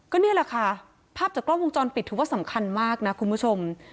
ก็นี่แหละค่ะภาพจากกล้องวงจรปิดถือว่าสำคัญมากนะคุณผู้ชม